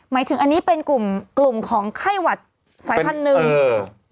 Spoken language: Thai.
หมายถึงอันนี้เป็นกลุ่มของไข้หวัดสายพันธุ์นึง